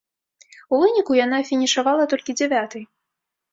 У выніку яна фінішавала толькі дзявятай.